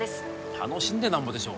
楽しんでなんぼでしょう